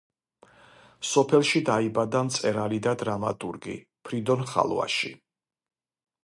სოფელში დაიბადა მწერალი და დრამატურგი ფრიდონ ხალვაში.